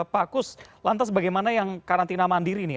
pak kus lantas bagaimana yang karantina mandiri ini